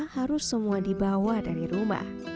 harus dibawa dari rumah